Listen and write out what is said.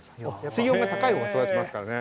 水温が高いほうが育ちますからね。